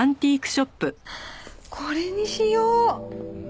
これにしよう！